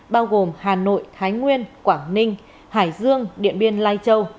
bao gồm hà nội thái nguyên quảng ninh hải dương điện biên lai châu